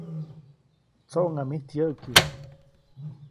‒¡Tsoʼŋa mijt yäʼki!‒.